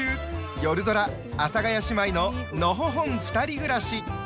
よるドラ「阿佐ヶ谷姉妹ののほほんふたり暮らし」。